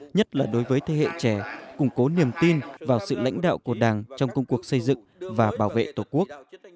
nhất là đối với thế hệ trẻ củng cố niềm tin vào sự lãnh đạo của đảng trong công cuộc xây dựng và bảo vệ tổ quốc